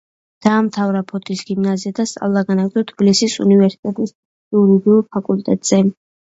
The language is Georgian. დაამთავრა ფოთის გიმნაზია და სწავლა განაგრძო თბილისის უნივერსიტეტის იურიდიულ ფაკულტეტზე.